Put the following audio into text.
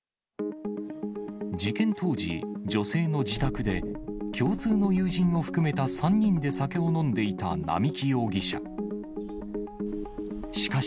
事件当時、女性の自宅で、共通の友人を含めた３人で酒を飲んでいた並木容疑者。